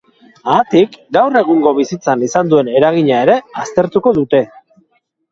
Haatik, gaur egungo bizitzan izan duen eragina ere aztertuko dute.